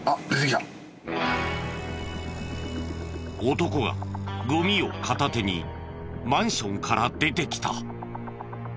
男がごみを片手にマンションから出てきた。